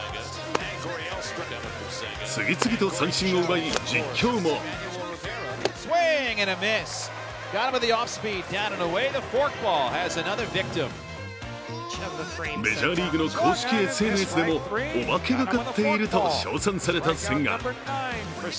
次々と三振を奪い、実況もメジャーリーグの公式ＳＮＳでもお化けがかっていると称賛された千賀。